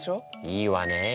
いいわねえ。